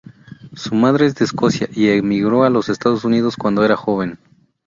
Su madre es de Escocia y emigró a los Estados Unidos cuando era joven.